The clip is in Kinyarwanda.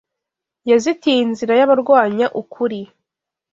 Yazitiye inzira y’abarwanya ukuri